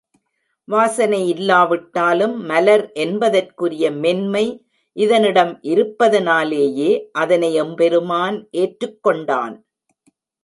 வாசனை இல்லாவிட்டாலும் மலர் என்பதற்குரிய மென்மை இதனிடம் இருப்பதனாலேயே அதனை எம்பெருமான் ஏற்றுக் கொண்டான்.